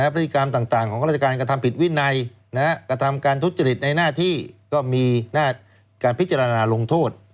พฤติกรรมต่างของข้าราชการกระทำผิดวินัยกระทำการทุจริตในหน้าที่ก็มีการพิจารณาลงโทษ